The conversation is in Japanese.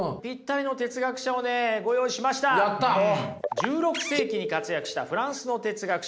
１６世紀に活躍したフランスの哲学者